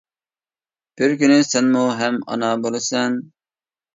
بىر كۈنى سەنمۇ ھەم ئانا بولىسەن.